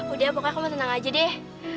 udah pokoknya kamu tenang aja deh